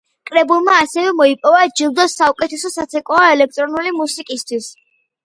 კრებულმა ასევე მოიპოვა ჯილდო საუკეთესო საცეკვაო ელექტრონული მუსიკისთვის.